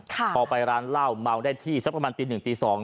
พอไปร้านเหล้าเมาได้ที่สักประมาณตีหนึ่งตี๒